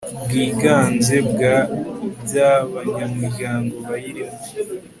bwiganze bwa by abanyamuryango bayirimo